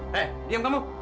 hei diam kamu